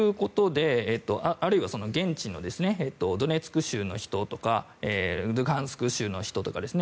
あるいは現地のドネツク州の人とかルハンスク州の人とかですね。